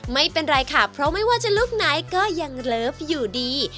ไม่เป็นไรค่ะเพราะไม่ว่าจะลุคไหนก็ยังเลิฟอยู่ดี